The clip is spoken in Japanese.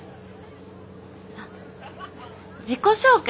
あっ自己紹介